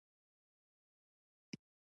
بله بېلګه د کار ځای په اړه ده.